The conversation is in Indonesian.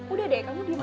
udah deh kamu diam aja